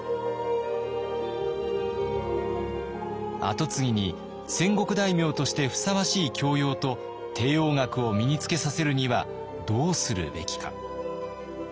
跡継ぎに戦国大名としてふさわしい教養と帝王学を身につけさせるにはどうするべきか。